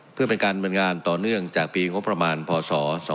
เพื่อเป็นการบรรงานต่อเนื่องจากปีงบประมาณพศ๒๕๖